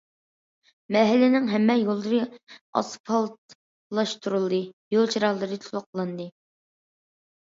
مەھەللىنىڭ ھەممە يوللىرى ئاسفالتلاشتۇرۇلدى، يول چىراغلىرى تولۇقلاندى.